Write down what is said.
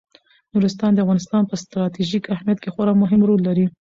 نورستان د افغانستان په ستراتیژیک اهمیت کې خورا مهم رول لري.